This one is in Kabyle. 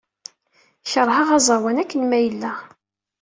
Keṛheɣ aẓawan akken ma yella.